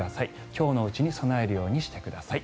今日のうちに備えるようにしてください。